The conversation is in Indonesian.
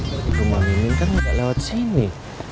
tadi rumah mimin kan gak lewat sini